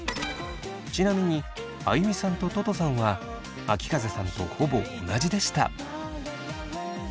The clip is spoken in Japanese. ちなみにあゆみさんとととさんはあきかぜさんとほぼ同じでした。